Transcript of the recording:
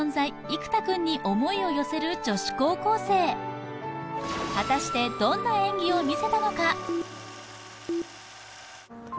生田くんに思いを寄せる女子高校生果たしてどんな演技を見せたのか？